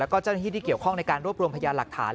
แล้วก็เจ้าหน้าที่ที่เกี่ยวข้องในการรวบรวมพยานหลักฐาน